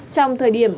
trong thời điểm